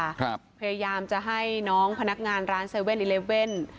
พยายามจะให้น้องพนักงานร้าน๗๑๑